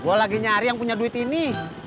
gue lagi nyari yang punya duit ini